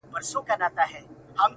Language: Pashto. يوې کادري ازموینې لپاره